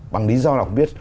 bằng lý do là không biết